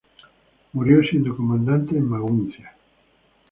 Murió siendo comandante en Maguncia.